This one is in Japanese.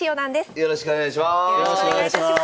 よろしくお願いします。